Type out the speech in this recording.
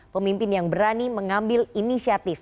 pemimpin yang berani mengambil inisiatif